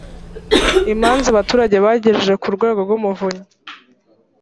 imanza abaturage bagejeje ku urwego rw’umuvunyi